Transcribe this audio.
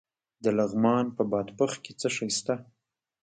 د لغمان په بادپخ کې څه شی شته؟